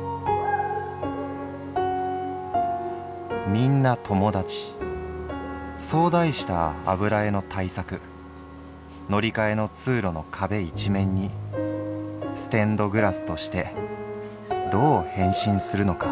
「『みんな友だち』そう題した油絵の大作乗り換えの通路の壁一面にステンドグラスとしてどう変身するのか」。